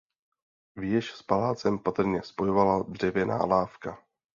Věž s palácem patrně spojovala dřevěná lávka.